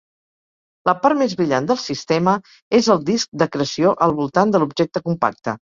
La part més brillant del sistema és el disc d'acreció al voltant de l'objecte compacte.